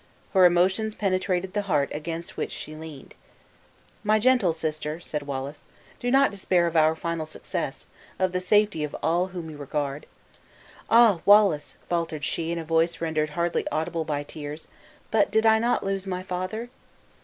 Her emotions penetrated the heart against which she leaned. "My gentle sister," said Wallace, "do not despair of our final success; of the safety of all whom you regard." "Ah! Wallace," faltered she, in a voice rendered hardly audible by tears, "but did I not lose my father?"